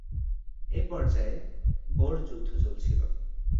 এ পর্যায়ে বোর যুদ্ধ চলছিল।